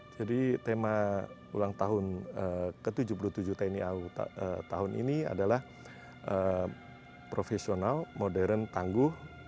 jadi tema ulang tahun ke tujuh puluh tujuh tni au tahun ini adalah profesional modern tangguh